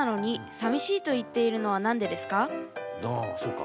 ああそっか。